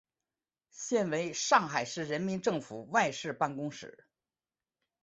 现为上海市人民政府外事办公室。